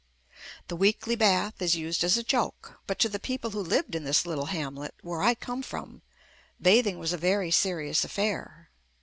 The "weekly bath" is used as a joke, but to the people who lived in this little hamlet where I come from bathing was a very serious affair.